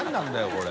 これ。